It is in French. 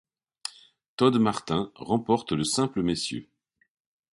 Todd Martin remporte le simple messieurs.